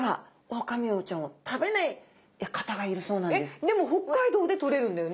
えっでも北海道でとれるんだよね？